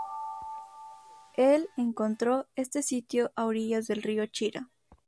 Él encontró este sitio a orillas del río Chira.